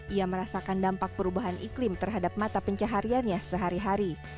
ia merasakan dampak perubahan iklim terhadap mata pencahariannya sehari hari